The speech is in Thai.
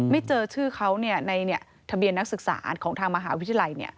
ไม่เจอชื่อเขาในทะเบียนนักศึกษาของทางมหาวิทยาลัย